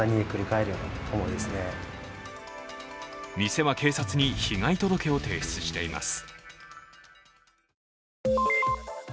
店は警察に被害届を提出しています。